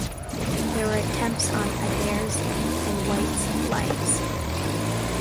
There were attempts on Adair's and White's lives.